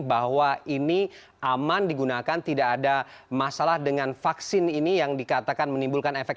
bahwa ini aman digunakan tidak ada masalah dengan vaksin ini yang dikatakan menimbulkan efek